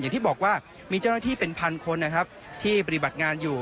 อย่างที่บอกว่ามีเจ้าหน้าที่เป็นพันคนนะครับที่ปฏิบัติงานอยู่